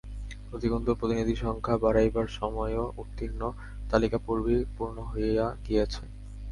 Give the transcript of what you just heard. অধিকন্তু প্রতিনিধি-সংখ্যা বাড়াইবার সময়ও উত্তীর্ণ, তালিকা পূর্বেই পূর্ণ হইয়া গিয়াছে।